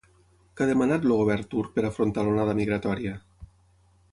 Què ha demanat el govern turc per afrontar l'onada migratòria?